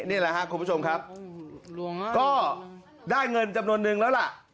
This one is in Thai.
นี่แหละครับคุณผู้ชมครับก็ได้เงินจำนวนนึงแล้วล่ะ